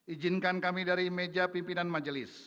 ijinkan kami dari meja pimpinan majelis